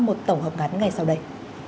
một tổng hợp ngắn ngay sau đây